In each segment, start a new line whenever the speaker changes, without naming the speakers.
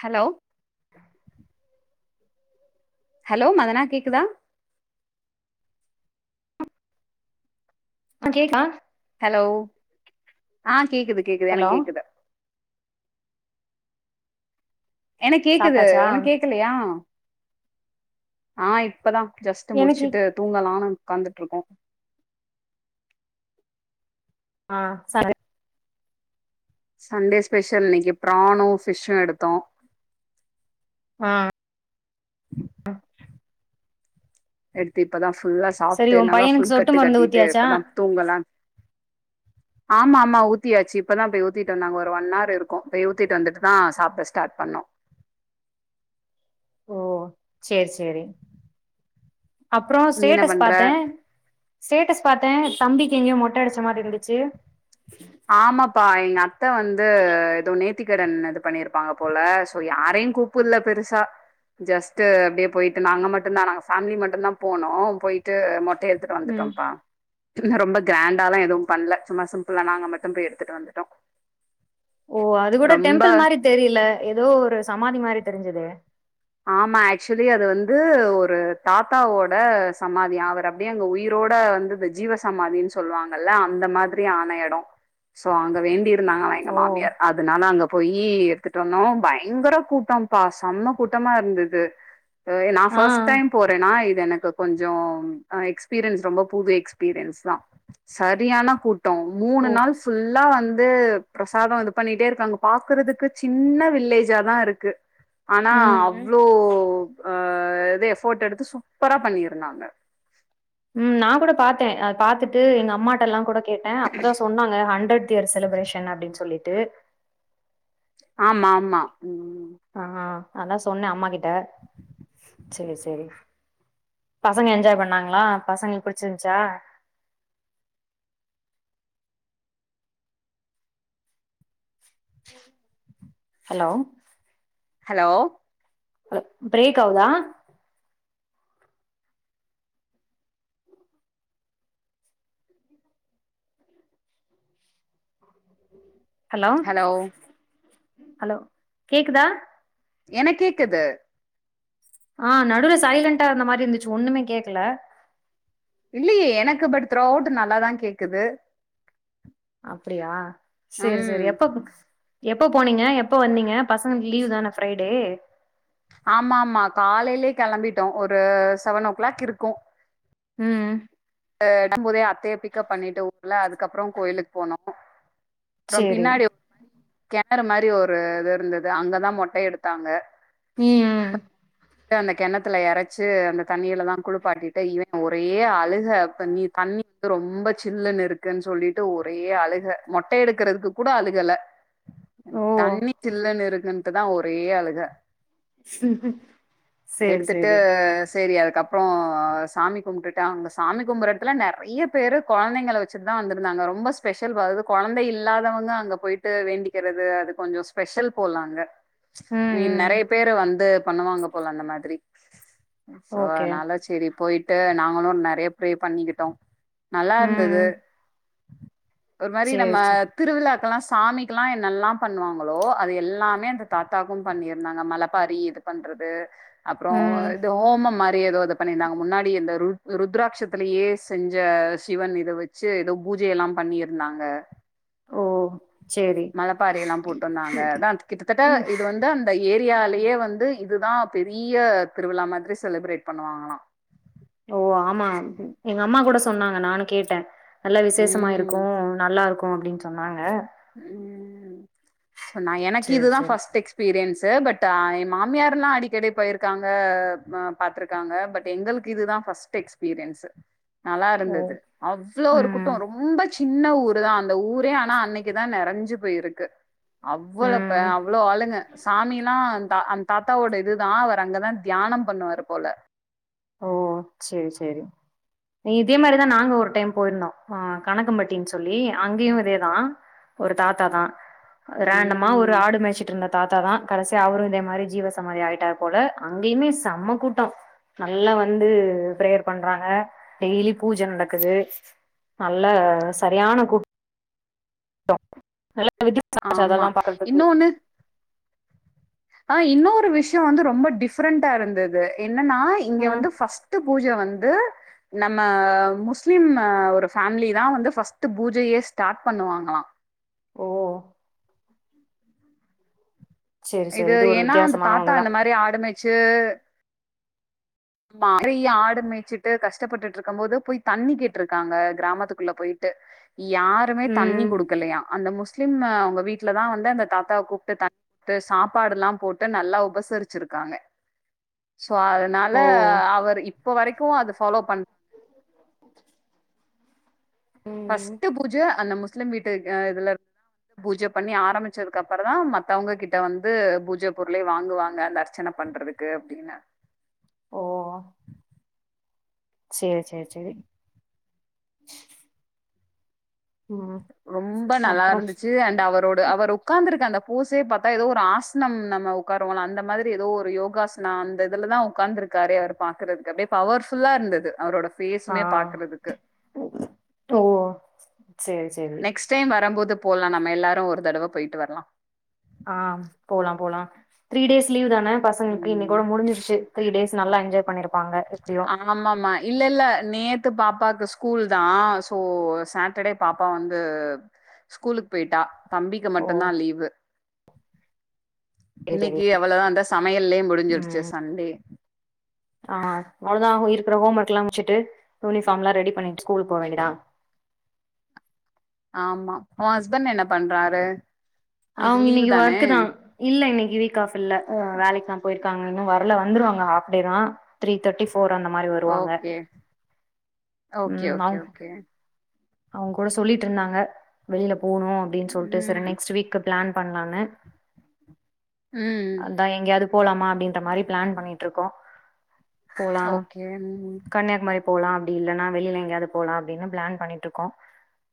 Hello hello மதனா கேக்குதா
ஆ கேக்கா
ஹலோ ஆ கேக்குது கேக்குது
ஹலோ
எனக் கேக்குது என்ன கேக்குது
சாப்ட்டாச்சா
உனக் கேக்கலயா ஆ இப்பதா ஜஸ்ட்
எனக்கு
முடிச்சிட்டு தூங்கலானு உக்காந்துட்ருகோ
ஆ சரி
சண்டே ஸ்பெஷல் இன்னக் பிரானு ஃபிஷ்சு எடுத்தோ
ஆ ஆ
எடுத்து இப்பதா ஃபுல்லா
சரி
சாப்ட்டு
உ
நல்லா
பையனுக்கு
ஃபுல்
சொட்டு
கட்டு
மருந்து
கட்டிட்டு
ஊத்தியாச்சா
இப்பதா தூங்கலா ஆமா ஆமா ஊத்தியாச்சி இப்பதா போய் ஊத்திட்டு வந்தாங்க ஒரு ஒன்னவர் இருக்கும் போயி ஊத்திட்டு வந்துட்டு தா சாப்ட ஸ்டாட் பண்ணோம்
செரி செரி அப்றோம்
நீ என்ன
ஸ்டேட்டஸ்
பண்ற
பாத்த ஸ்டேட்டஸ் பாத்த தம்பிக்கி எங்கியோ மொட்ட அடிச்ச மாரி இருந்துச்சி
ஆமாப்பா எங்க அத்த வந்து எதோ நேத்திகடன் இது பண்ணிருப்பாங்க போல சோ யாரையும் கூப் புல்ல பெருசா ஜஸ்ட்டு அப்டியே போயிட்டு நாங்க மட்டுந்தா நாங்க ஃபேமிலி மட்டுந்தா போனோம் போயிட்டு மொட்டை எடுத்து ட்டு
ம்
வந்துடோம்ப்பா ரொம்ப கிராண்டாலா எதுவும் பண்ல சும்மா சிம்ப்ளா நாங்க மட்டும் போயி எடுத்துட்டு வந்துட்டோம்
ஓ அது கூட டெம்பள் மாரி தெரியில எதோ ஒரு சமாதி மாரி தெரிஞ்சதே
ஆமா ஆக்சுவலி அது வந்து ஒரு தாத்தாவோட சமாதியா அவர் அப்டியே அங்க உயிரோட வந்து இந்த ஜீவசமாதின் சொல்வாங்க இல்ல அந்த மாதிரி ஆன எடம் சோ அங்க வேண்டி இருந்தாங்கலா எங்க
ஓ
மாமியார் அதனால அங்க போயி எடுத்துட்டு வந்தோ பயங்கர கூட்டம் பா செம்ம கூட்டமா இருந்தது ஆ நா பஸ்ட் டைம் போறேனா இது எனக்கு கொஞ்சோ ஆ எக்ஸ்பீரியன்ஸ் ரொம்ப புது எக்ஸ்பீரியன்ஸ் தா சரியானா கூட்டம்
ஓ
மூனு நாள் ஃபுல் லா வந்து பிரசாதம் இது பண்ணிட்டே இருக்காங்க பாக்கறதுக்கு சின்ன வில்லேஜா தா இருக்கு நா
ம்
அவ்ளோ ஆ இது எஃபோட் எடுத்து சூப்பரா பண்ணிருந்தாங்க
ம் நா கூட பாத்தே ஆ பாத்துட்டு எங்க அம்மாட்ட எல்லா கூட கேட்ட அப்பதா சொன்னாங்க ஹண்டரட் த்து இயர் செலப்ரேஷன் அப்டின் சொல்லிட்டு
ஆமா ஆமா ம்
ஆ அதா சொன்ன அம்மா கிட்ட சேரி செரி பசங்க என்ஜாய் பண்ணாங்களா பசங்களுக் புடிச்சிருண்ச்சா ஹலோ
ஹலோ
ஹலோ பிரேக் ஆவுதா ஹலோ ஹலோ கேக்குதா
எனக்கு கேக்குது
ஆ நடுவுல சைலண்ட்டா இருந்த மாரி இருந்துச்சி ஒண்ணுமே கேக்கல
இல்லயே எனக்கு பட் த்ரோ அவுட்டு நல்லா தா கேக்குது
அப்டியா செரி செரி
ம்
எப்ப எப்போ போனீங்க எப்போ வந்தீங்க பசங்களுக்கு லீவு தான ஃப்ரைடே
ஆமா ஆமா காலையிலே கெளம்பிட்டோம் ஒரு செவன் ஓ கிளாக் இருக்கும்
ம்
ஆ டம்போதே அத்தைய பிக்கப் பண்ணிட்டு உடனு இல்ல அதுக்கப்பறம் கோயிலுக்கு போனோம் அப்புறம்
சேரி
பின்னாடி [inaudible] இது கெணறு மாரி ஒரு இது இருந்தது அங்கதா மொட்ட எடுத்தாங்க
ம் ம்
டு அந்த கெணத்துல எரச்சி அந்த தண்ணியில தா குளுப்பாட்டிட்டு இவன் ஒரே அழுக தண்ணி தண்ணி வந்து ரொம்ப சில்லுனு இருக்குன் சொல்லிட்டு ஒரே அழுக மொட்ட எடுக்கறதுக்கு கூட அழுகல
ஓ
தண்ணி சில்லுன்னு இருக்குன்ட்டுதா ஒரே அழுக
சேரி
எடுத்துட்டு
சேரி
செரி அதுக்கப் புறம் சாமி கும்ட்டுட்டு அங்க சாமி கும்பற எடத்துல நெறையா பேரு கொழந்தைங்கள வச்சிட்டு தா வந்துருந்தாங்க ரொம்ப ஸ்பெஷல் போலது கொழந்த இல்லாதவங்க அங்க போய் ட்டு வேண்டிக்கிறது அது கொஞ்சோ ஸ்பெஷல் போல அங்க
ம்
நீ
ம்
நெறைய பேரு வந்து பண்ணுவாங்க போல அந்த மாதிரி சோ
ஓகே
அதனால செரிப் போய்ட்டு நாங்களு நெறைய ப்ரே பண்ணிகிட்டோ நல்லாருந்தது
ம்
ஒரு மாரி
சேரி சேரி
நம்மத் திருவிழாக்கெலா சாமிக்கிலா என்னெல்லாம் பண்ணுவாங்களோ அது எல்லாமே அந்த தாத்தாவுக்கும் பண்ணிர்ந்தாங்க மழப்பாரி இது பண்றது அப்றோ
ம்
இது ஹோமம் மாரி எதோ இதுப் பண்ணிர்ந்தாங்க முன்னாடி இந்த ருத் ருத்ராட்சத் த்தலயே செஞ்ச சிவன் இத வெச்சு எதோ பூஜ எல்லாம் பண்ணிருந்தாங்க
ஓ சேரி
மழப்பாரி எல்லாம் போட்டந்தாங்க அதா கிட்டத்தட்ட இது வந்து அந்த ஏரியாலியே வந்து இதுதா பெரிய திருவிழா மாதிரி செலிப்ரேட் பண்ணுவாங்களா
ஓ ஆமா எங்க அம்மா கூட சொன்னாங்க நானு கேட்டே நல்ல விசேஷமா இருக்கு
ம்
நல்லாருக்கு அப்டின் சொன்னாங்க
சோ நா எனக்கு
சேரி
இதுதா
சேரி
ஃபஸ்ட் எக்ஸ்ப் பீரியன்ஸு பட்டு ஆ என் மாமியாருல்லா அடிக்கடி போயிருக்காங்க அ பாத்துரு காங்க பட்டு எங்களுக்கு இதுதா ஃபஸ்ட்டு எக்ஸ்பீரியன்ஸு
ஓ
நல்லாருந்தது அவ்ளோ ஒருக்
ம்
கூட்டோ ரொம்ப சின்ன ஊருதா அந்த ஊரே ஆனா அன்னைக் கிதா நெறஞ்சு போயிருக்கு அவ்ளோப்பே
ம்
அவ்ளோ ஆளுங்க சாமிலா தா அந் தாத்தாவோட இதுதா அவர் அங்கதா தியானம் பண்ணுவாருப் போல
ஓ செரி செரி அ இதே மாரிதா நாங்க ஒரு டைம் போயிருந்தோ ஆ கணக்கம்பட்டின் சொல்லி அங்கியு இதேதா ஒரு தாத்தாதா ரேண்டமா ஒரு
ம்
ஆடு மேச்சிட்ருந்தர் தாத்தாதா கடைசியா அவரும் இதே மாரி ஜீவசமாதி ஆயிட்டார் போல அங்கேயுமே செம்ம கூட்டோ நல்லா வந்து பிரேயர் பண்றாங்க டெய்லி பூஜ நடக்குது நல்ல சரியான கூட் டோ நல்லா வித்தி [unintelligible]
ஆமா
அதெல்லாம் பாக்கற்துக்கு
இன்னொன்னு ஆ இன்னொரு விஷ்யோ வந்து ரொம்ப டிஃப்ரெண்ட்டா இருந்தது என்னன்னா இங்க
ம்
வந்து ஃபர்ஸ்ட் டு பூஜ வந்து நம்ம முஸ்லிம்ம ஒரு ஃபேம்லிதா வந்து ஃபர்ஸ்ட்டு பூஜையே ஸ்டார்ட் பண்ணுவாங்கலா
ஓ செரி செரி
இது
ஒரு
ஏனா அந்த தாத்தா
வித்தியாசமானவங்கதா
அந்த மாரி ஆடு மேச்சு பா நெறைய ஆடு மேச்சிட்டு கஷ்ட்ப்பட்டுட்ருக்கம் போது போய் தண்ணி கேட்ருக்காங்க கிராமத்துக்குள்ள போயிட்டு யாருமே தண்ணி
ம்
குடுக்கலையா அந்த முஸ்லிம்ம அவுங்க வீட் ட்லதா வந்து அந்த தாத்தாவக் கூப்ட்டு த குடுத்து சாப்பாடுல்லாம் போட்டு நல்லா உபசரிச்சிருக்காங்க சோ அதனால
ஓ
அவர் இப்ப வரைக்கு அது ஃபாலோ பண்
ம்
ஃபர்ஸ்ட்டு பூஜ அந்த முஸ்லிம் வீட்டு அ இதுலர் பூஜ பண்ணி ஆரம்பிச்சதுக்கப்பறந்தா மத்தவுங்க கிட்ட வந்து பூஜ பொருளே வாங்குவாங்க அந்த அர்ச்சனப் பண்றதுக் கு அப்டின
சேர் சேர் சேரி ம்
ரொம்ப
அப்றோ
நல்லாருந்துச்சி அண்ட் அவரோடு அவருப் உக்காந்துருக்க அந்த போசே பாத்தா எதோ ஒரு ஆசனம் நம்ம உக்காருவோல அந்த மாதிரி எதோ ஒரு யோகாச் னா அந்த இதுலதா உக்காந்துருக்காரே அவர் பாக்கறதுக்கு அப்டியே பவர்ஃபுல்லா இருந்தது அவரோடப்
ஆ
ஃபேசுமே பாக்றதுக்கு
ஓ சேர் சேர்
க்ஸ்ட் டைம் வரம்போது போலா நம்ம எல்லாரு ஒரு தடவ போயிட்டு வர்லா
ஆம் போலா போலா த்ரீ டேஸ் லீவுதான் ன பசங்ளுக்கு
உம்
இன்னைக்கோட முடிஞ்சிருச்சி த்ரீ டேஸ் நல்லா என்ஜாய் பண்ணிருப்பாங்க எப்டியு
ஆமா ஆமாமா இல்ல இல்ல நேத்து பாப்பாக்கு ஸ்கூல் தா சோ சேட்டர்டே பாப்பா வந்து ஸ்கூலுக்கு போயிட்டா தம்பிக்கு
ஓ
மட்டும்தா லீவு
செரி செரி
இன்னிக்கு அவ்ளோதா இந்த சமையல்லயே முடிஞ்சிருச்சு சண்டே
ஆஹ் அவ்ளோதா இருக்கிற ஹோம் ஒர்க் எல்லா முடிச்சுட்டு யூனிஃபார்ம்லா ரெடி பண்ணிட்டு ஸ்கூல் போ வேண்டியதுதா
ஆமா உ ஹஸ்பண்ட் என்ன பண்றாரு இன்னைக்கு
அவங்க
லீவ்
இன்னிக்கு
தானே
வொர்க் தா இல்ல இன்னிக்கு வீக் ஆஃப் இல்ல வேலைக்கு தா போயிருக்காங்க இன்னும வரல வந்துருவாங்க ஹஃப்டே தா த்ரீ தேர்டி போற அந்த மாறி வருவாங்க
ஓகே ஓகே
ம்
ஓகே
அவங்க
ஓகே
அவங்க கூட சொல்லிட்டு இருந்தாங்க வெளியில போணும் அப்டின்னு சொல்லிட்டு சேரி
ம்
நெக்ஸ்ட் வீக் பிளான் பண்லான்னு
ம்
அது அதா எங்கேயாவது போலாமா அப்டின்ற மாறி பிளான் பண்ணிட்டு இருக்கோ போலா
ஓகே ம்
கன்னியாகுமரி போலா அப்டி இல்லன்னா வெளியில எங்கயாவது போலா அப்டின்னு பிளான் பண்ணிட்டு இருக்கோ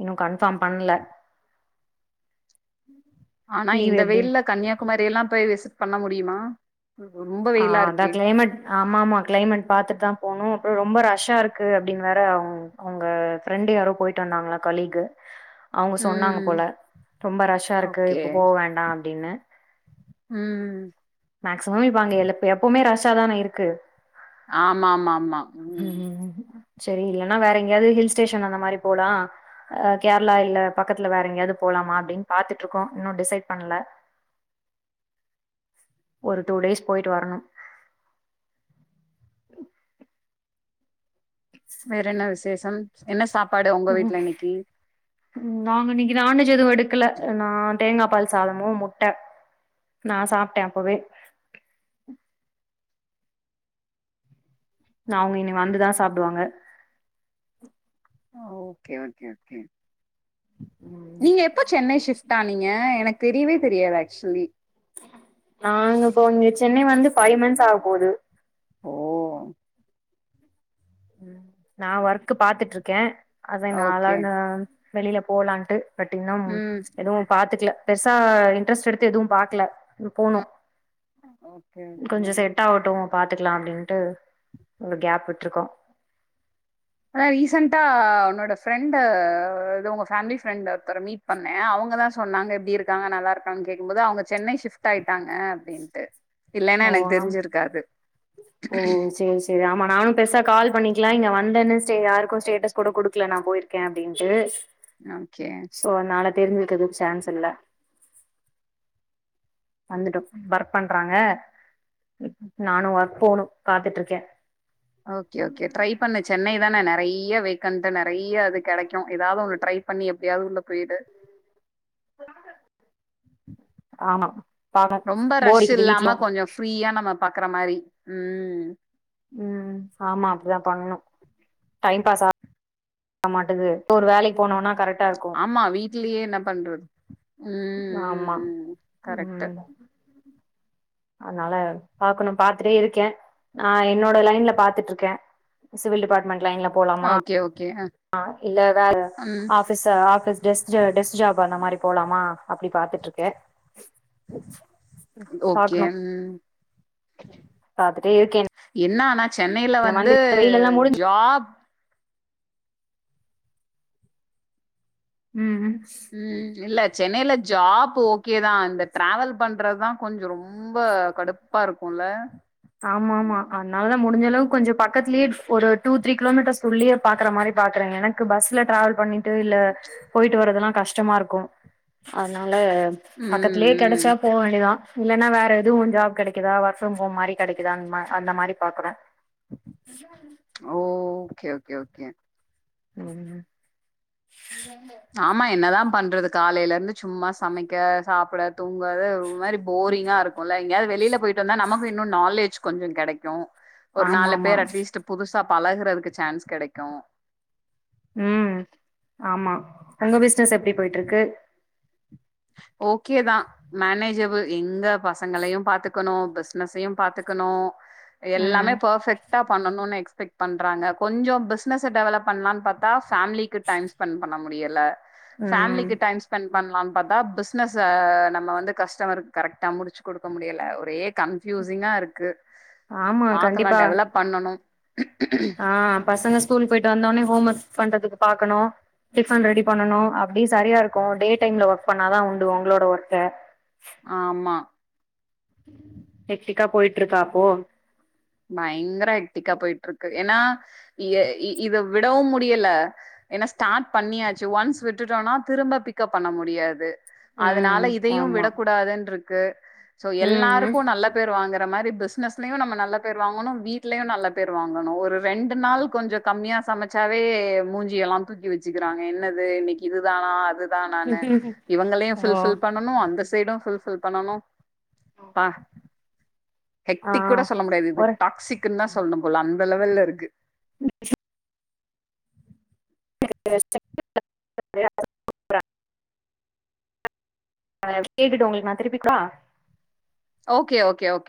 இன்னும் கன்ஃபார்ம் பண்ல
ஆனா
லீவ்
இந்த
எப்படின்னு
வெயில கன்னியாகுமாரிலா போய் விசிட் பண்ண முடியுமா ரொம்ப
ஆ
வெயிலா
அதா
இருக்கே
கிளைமேட் ஆமா ஆமா கிளைமேட் பாத்துட்டு தா போணும் அப்பற ரொம்ப ரஷா இருக்கு அப்டின்னு வேற அவங்க ஃப்ரெண்டு் யாரோ போயிட்டு வந்தாங்களா கோலீகு அவங்க சொன்னாங்க
ம்
போல ரொம்ப ரஷ்ஷா இருக்கு
ஓகே
இப்ப போ வேண்டாம் அப்டின்னு
ம்
மேக்சிமம் இப்ப அங்க எ எப்பவுமே ரஷ்ஷா தான இருக்கு
ஆமா ஆமா ஆமா
ம் சேரி இல்லன்னா வேற எங்கயாவது ஹில் ஸ்டேஷன் அந்த மாறி போலா அஹ் கேரளா இல்ல பக்கத்துல வேற எங்கயாவது போலாமா அப்டின்னு பாத்துட்டு இருக்கோ இன்னும் டிசைட் பண்ல ஒரு டூ டேஸ் போயிட்டு வரணு
வேற என்ன விசேஷம் என்ன சாப்பாடு உங்க வீட்ல இன்னிக்கு
ம் நாங்க இன்னிக்கு நான்வெஜ் எதும் எடுக்கல நா தேங்கா பால் சாதமு முட்ட நா சாப்ட்ட அப்பவே அவங்க இனி வந்துதா சாப்டுவாங்க
ஓ ஓகே ஓகே ஓகே
ம்
நீங்க எப்ப சென்னை ஷிப் ட்டானிங்க எனக்கு தெரியவே தெரியாது ஆக்சுவலி
நாங்க இப்போ இங்க சென்னை வந்து ஃபைவ் மந்த்ஸ் ஆக போது
ஓ
ம் நா ஒர்க்க் பாத்துட்ருக்க அதா நா
ஓகே
[unintelligible] வெளில போலான்ட்டு பட் இன்னும்
ம்
எதுவு பாத்துக்கல பெருசா இன்ட்ரெஸ்ட் எடுத்து எதுவு பாக்கல போனு
ஓகே
கொஞ்ச
ஓகே
செட்டாவட்டு பாத்துக்கலா அப்டின்ட்டு ஒரு கேப் விட்டுருக்கோ
அத ரீசெண்டா உன்னோட ஃப்ரெண்ட் இது உங்க ஃபேமிலி ஃப்ரெண்ட் ஒருத்தர மீட் பண்ண அவங்கதா சொன்னாங்க எப்டி இருக்காங்க நல்லா இருக்கான்னு கேடக்கும் போது அவங்க சென்னை ஷிஃப்ட் ஆயிட்டாங்க அப்டின்ட்டு இல்லன்னா
ஓ
எனக்கு
ஆம்
தெரிஞ்சிருக்காது
செரி ஆமா நானு பெருசா கால் பண்ணிக்கல இங்க வந்தன்னு யாருக்கும் ஸ்டேட்டஸ் கூட குடுக்கல நா போயிருக்க அப்டின்ட்டு
ஓகே
சோ அதுனால தெரிஞ்சிக்றதுக்கு சான்ஸ் இல்ல வந்துட்டோ வர்க் பண்றாங்க நானு ஓர்க் போணு பாத்துட்ருக்க
ஓகே ஓகே ட்ரை பண்ணு சென்னை தான நெறைய வேகண்ட் நெறைய அது கெடைக்கும் எதாவது ஒண்ணு ட்ரை பண்ணி எப்டியாவது உள்ள போயிடு
ஆமா பாக்க
ரொம்ப
போர்
ரஷ்
அடிக்குது
இல்லாம
வீட்லயு
கொஞ்ச ஃப்ரீயா நம்ம பாக்குற மாரி ம்
ம் ஆமா அப்டித்தா பண்ணனு டைம் பாஸ் ஆமாட்டுது இப்ப ஒரு வேலைக்கு போனோனா கரெக்ட்
ஆமா வீட்லயே என்ன பண்றது
ஆமா
ம் கரெக்ட்
ம் அதனால பாக்கணு பாத்துட்டே இருக்கே நா என்னோட லைன்ல பாத்துட்ருக்கே சிவில் டிபார்ட்மெண்ட் லைன்ல போலாமா
ஓகே ஓகே
இல்ல வே ஆஃப்
ம்
office office desk desk job அந்த மாரி போலாமா அப்டி பாத்துட்ருக்கே
ஓகே
பாக்னு
ம்
பாத்துட்டே இருக்கே
என்ன ஆனா சென்னையில
இந்த
வந்து
மந்த் இந்த வெயில் எல்லா முடிஞ்
ஜாப்
ம் ம்
ம் இல்ல சென்னையில ஜாப் ஓகேதா இந்த டிராவல் பண்றது தா கொஞ்சோ ரொம்ப ரொம்ப கடுப்பா இருக்குல்ல
ஆமா ஆமா அதனால தா முடிஞ்சளவு கொஞ்ச பக்கத்தலயே ஒரு டூ த்ரீ கிலோட்டர்ஸ் குள்ளயே பாக்குற மாரி பாக்குறேங்க எனக்கு க்கு பஸ்ல டிராவல் பண்ணிட்டு இல்ல போயிட்டு வரதெல்லா கஷ்டமா இருக்கு அதனால
ம்,
பக்கத்துலயே
ம்.
கெடச்சா போக வேண்டியதா இல்லன்னா வேற எதுவு ஜாப் கெடைக்குதா ஒர்க் ஃபிரம் ஹோம் மாரி கெடைக்குதா அந்தமா அந்த மாரி பாக்கறோ
ஓ ஓகே ஓகே ஓகே
[unintelligible]
ஆமா என்னதா பண்றது காலையில இருந்து சும்மா சமைக்க சாப்பிட தூங்க ஒரு மாரி போரிங்கா இருக்குல்ல எங்கயாவது வெளில போயிட்டு வந்தா நமக்கு இன்னு நாலேஜ் கொஞ்ச கெடைக்கு ஒரு
ஆமா
நாலு
ஆமா
பேரு அட்லீஸ்ட் புதுசா பழகுறதுக்கு சான்ஸ் கெடைக்கு
ம் ஆமா உங்க பிசினஸ் எப்டி போயிட்டிருக்கு
ஓகே தா மேனேஜபிள் எங்க பசங்களையு பாத்துக்கணு பிசினஸையு பாத்துக்கணு எல்லாமே
ம்
பர்ஃபெக்ட் கரெக்டா பண்ணணுனு எக்ஸ்பெக்ட் பண்றாங்க கொஞ்சோ பிசினஸ்ல டெவலப் பண்ணலானு பாத்தா ஃபேமிலிக்கு டைம் ஸ்பெண்ட் பண்ண முடியல
ம்
ஃபேலிக்கு டைம் ஸ்பெண்ட் பண்லா பாத்தா பிசினஸ்ல நம்ம வந்து கஸ்டமருக்கு கரெக்டா முடிச்சு குடுக்க முடியல ஒரே கன்ஃபயூசிங்கா இருக்கு
ஆமா
பாக்கலா
கண்டிப்பா
டெவலப் பண்ணனு
ஆ பசங்க ஸ்கூல் போயிட்டு வந்தோனே ஹோம் ஒர்க் பண்றதுக்கு பாக்கணு டிஃபன் ரெடி பண்ணனு அப்டி சரியா இருக்கு டே டைம்ல ஒர்க் பண்ணாதா உண்டு உங்களோட ஒர்க்க [inaudible]
ஆமா
எத்திக்கா போயிட்டு இருக்கா அப்போ
பயங்கர எத்திக்கா போயிட்டு இருக்கு ஏன்னா இத விடவு முடியல ஏன்னா ஸ்டார்ட் பண்ணியாச்சு ஒன்ஸ் விட்டுட்டோனா திரும்ப பிக்கப் பண்ண முடியாது
ம்
அதனால இதயு
ஆமா
விடக்கூடாதுன்ருக்கு சோ
ம்
எல்லாருக்கு நல்ல பேரு வாங்கற மாரி பிஸ்னஸ்லயு நம்ம நல்ல பேர் பேர் வாங்கணு வீட்லயு நல்ல பேர் வாங்கணு ஒரு ரெண்டு நாள் கொஞ்ச கம்மியா சமச்சாவே மூஞ்சி எல்லா தூக்கி வெச்சிக்கிறாங்க என்னது இன்னிக்கி இது தானா அது தானனு
ம்
இவுங்கள
ஓ
ஃபில்பில் பன் னனு அந்த சைடு ஃபில்பில் பன்னனு இப்பா
ஆ
ஹெக்டிக் கூட சொல்ல முடியாது இது
ஒரு
டாக்ஸின்னு தா சொல்லணு போல அந்த லெவல்ல இருக்கு
[inaudible] [inaudible] நா கேட்டுட்டு ஒங்களுக்கு திருப்பிக்கா
ஓகே ஓகே ஓகே